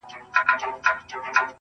اوس يې ياري كومه ياره مـي ده,